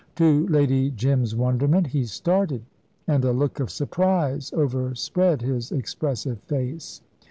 To Lady Jim's wonderment, he started, and a look of surprise overspread his expressive face.